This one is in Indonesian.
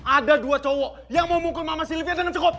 ada dua cowok yang mau mukul mama sylvia dengan cukup